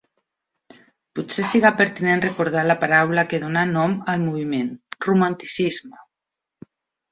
Potser siga pertinent recordar la paraula que donà nom al moviment, «romanticisme».